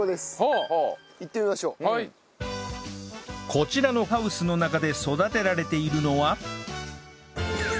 こちらのハウスの中で育てられているのは